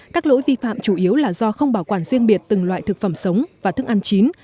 các lỗi vi phạm chủ yếu là do không bảo quản riêng biệt từng loại thực phẩm sống và thức ăn chín